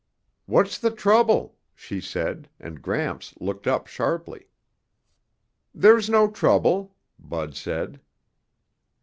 "What's the trouble?" she said, and Gramps looked up sharply. "There's no trouble," Bud said.